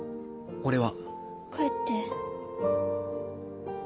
俺は。